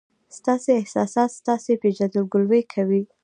ستاسي احساسات ستاسي پېژندګلوي کوي.